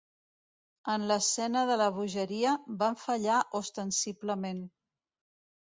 En l'escena de la bogeria, va fallar ostensiblement.